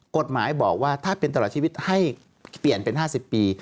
กฎหมายบอกว่าถ้าเป็นตลอดชีวิตให้เปลี่ยนเป็น๕๐ปี